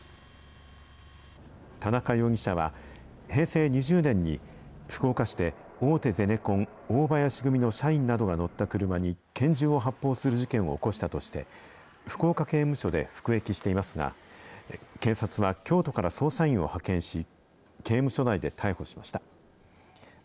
田中容疑者は、平成２０年に福岡市で大手ゼネコン、大林組の社員などが乗った車に拳銃を発砲する事件を起こしたとして、福岡刑務所で服役していますが、警察は京都から捜査員を派遣し、刑務所内で逮捕しました。